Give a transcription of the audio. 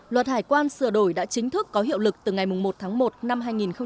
luật hải quan sửa đổi đã chính thức có hiệu lực từ ngày một tháng một năm hai nghìn hai mươi